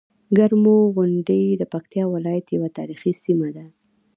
کرمو غونډۍ د پکتيکا ولايت یوه تاريخي سيمه ده.